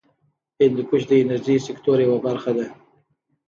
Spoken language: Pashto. هندوکش د انرژۍ سکتور یوه برخه ده.